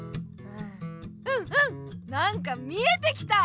うんうんなんか見えてきた！